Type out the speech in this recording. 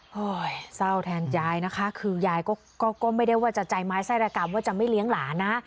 เศร้าแทนยายนะคะคือยายก็ไม่ได้ว่าจะใจไม้ไส้ระกรรมว่าจะไม่เลี้ยงหลานนะ